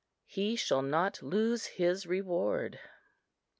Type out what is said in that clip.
HE SHALL NOT LOSE HIS REWARD.